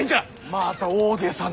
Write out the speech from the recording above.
また大げさな。